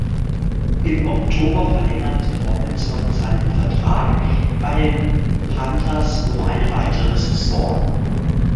Im Oktober verlängerte Robinson seinen Vertrag bei den Panthers um eine weitere Saison.